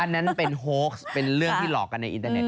นั้นเป็นโฮกเป็นเรื่องที่หลอกกันในอินเทอร์เน็